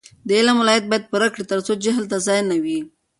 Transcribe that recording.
د علم ولایت باید پوره کړي ترڅو جهل ته ځای نه وي.